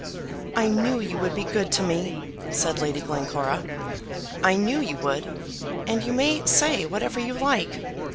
"I knew you would be good to me," said Lady Glencora. "I knew you would. And you may say whatever you like.